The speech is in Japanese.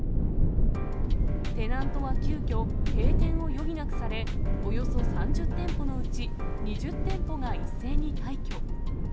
テナントは急きょ、閉店を余儀なくされ、およそ３０店舗のうち、２０店舗が一斉に退去。